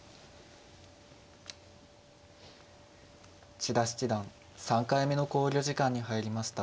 千田七段３回目の考慮時間に入りました。